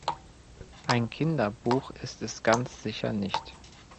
Ein Kinderbuch ist es ganz sicher nicht.